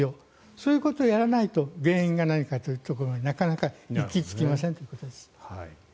そういうことをやらないと原因が何かというところになかなか行き着きませんというところです。